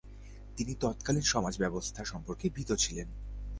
তিনি তৎকালীন সমাজের অবস্থা সম্পর্কে ভীত ছিলেন।